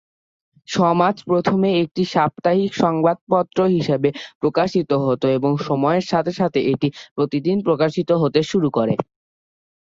সমাজ প্রথমে একটি সাপ্তাহিক সংবাদপত্র হিসাবে প্রকাশিত হত এবং সময়ের সাথে সাথে এটি প্রতিদিন প্রকাশিত হতে শুরু করে।